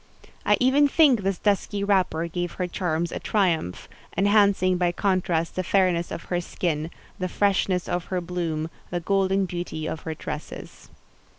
I even think this dusky wrapper gave her charms a triumph; enhancing by contrast the fairness of her skin, the freshness of her bloom, the golden beauty of her tresses.